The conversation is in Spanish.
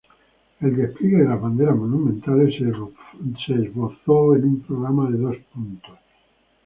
El despliegue de las banderas monumentales fue esbozada en un programa de dos puntos.